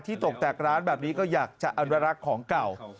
ตกแตกร้านแบบนี้ก็อยากจะอนุรักษ์ของเก่า